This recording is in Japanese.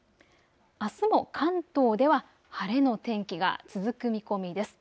あすも関東では晴れの天気が続く見込みです。